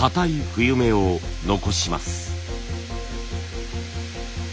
冬目を残します。